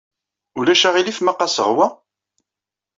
Ulac aɣilif ma qasseɣ wa?